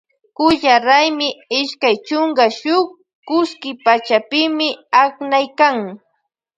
Kulla raymi ishkay chunka shuk kuski pachapimi aknaykan.